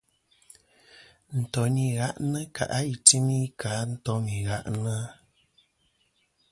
Ntoyn i gha'nɨ kà' a i timi kɨ a ntom i gha'nɨ.